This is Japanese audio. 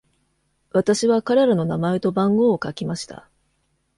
私は彼らの名前と番号を書きました。